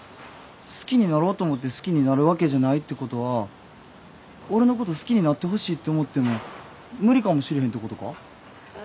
好きになろうと思って好きになるわけじゃないってことは俺のこと好きになってほしいって思っても無理かもしれへんってことか？